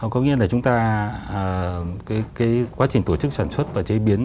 có nghĩa là chúng ta cái quá trình tổ chức sản xuất và chế biến